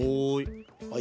はい。